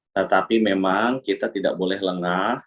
tetapi memang kita tidak boleh lengah